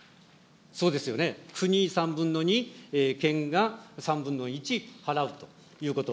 そうですよね、国３分の２、県が３分の１払うということ。